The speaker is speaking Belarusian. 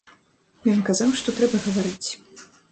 Ён казаў, што трэба гаварыць.